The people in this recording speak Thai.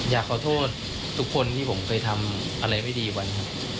อยากขอโทษทุกคนที่ผมเคยทำอะไรไม่ดีไว้ครับ